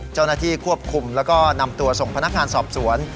เจ้าหน้าที่ควบคุมแล้วก็นำตัวส่งพนักงานสอบสวน